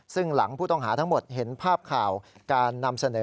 ซึ่งหลังผู้ต้องหาทั้งหมดเห็นภาพข่าวการนำเสนอ